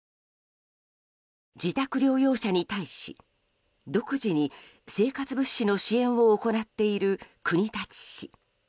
自宅療養者に対し、独自に生活物資の支援を行っている国立市。